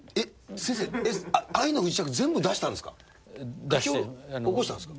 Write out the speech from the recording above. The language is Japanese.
先生、愛の不時着、全部出したんですか？